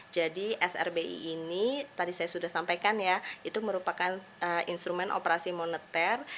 jadi srbi ini tadi saya sudah sampaikan ya itu merupakan instrumen operasi moneter